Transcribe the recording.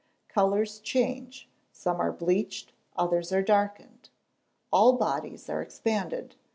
Colours change: some are bleached, others are darkened. All bodies are expanded.